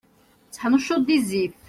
Tteḥnuccuḍ di zzit.